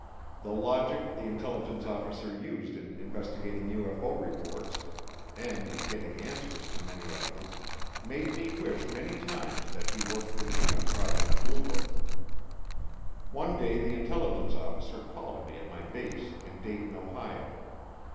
The logic the intelligence officer used in investigating UFO reports and in getting answers to many of them made me wish many times that he worked for me on Project Blue Book. One day the intelligence officer called me at my base in Dayton, Ohio.